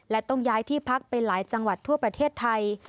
และต้องย้ายที่พักไปหลายจังหวัดทั่วประเทศไทย